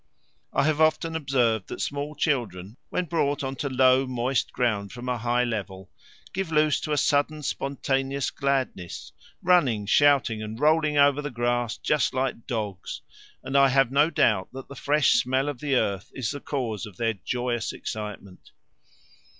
I have often observed that small children, when brought on to low, moist ground from a high level, give loose to a sudden spontaneous gladness, running, shouting, and rolling over the grass just like dogs, and I have no doubt that the fresh smell of the earth is the cause of their joyous excitement.